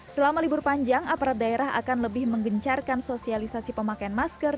selama libur panjang aparat daerah akan lebih menggencarkan sosialisasi pemakaian masker